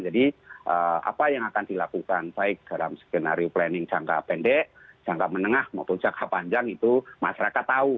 jadi apa yang akan dilakukan baik dalam skenario planning jangka pendek jangka menengah maupun jangka panjang itu masyarakat tahu